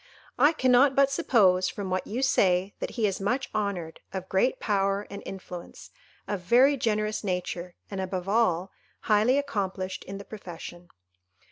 I cannot but suppose, from what you say, that he is much honoured, of great power and influence, of very generous nature, and, above all, highly accomplished in the profession."